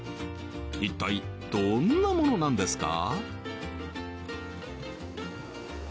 一体どんなものなんですか？